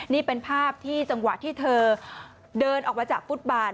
นี่เป็นภาพที่จังหวะที่เธอเดินออกมาจากฟุตบาท